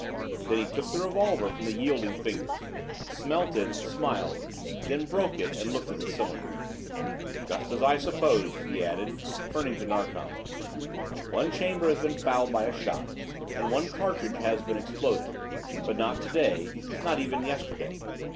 Then he took the revolver from the yielding fingers, smelt it, smiled, then "broke" it, and looked at the cylinder. "Just as I supposed," he added, turning to Narkom. "One chamber has been fouled by a shot and one cartridge has been exploded. But not to day, not even yesterday.